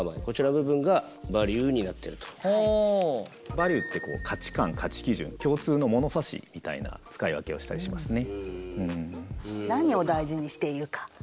バリューってこう価値観価値基準共通のものさしみたいな使い分けをしたりしますね。